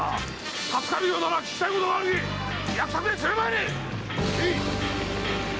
助かるようなら訊きたいことがあるゆえ役宅へ連れ参れ！